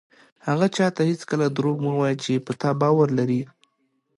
هغه چاته هېڅکله دروغ مه وایه چې په تا باور لري.